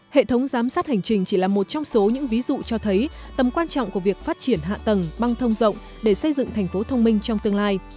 hệ thống giám sát hành trình chỉ là một trong số những ví dụ cho thấy tầm quan trọng của việc phát triển hạ tầng băng thông rộng để xây dựng thành phố thông minh trong tương lai